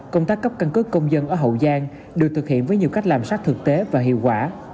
công tác cấp căn cước công dân ở hậu giang được thực hiện với nhiều cách làm sát thực tế và hiệu quả